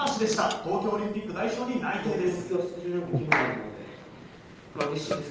東京オリンピック代表に内定です。